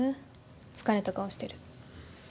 疲れた顔してる。